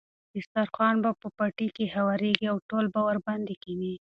دسترخوان به په پټي کې هوارېږي او ټول به ورباندې کېني.